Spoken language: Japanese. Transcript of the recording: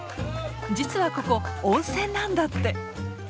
実はここ温泉なんだって。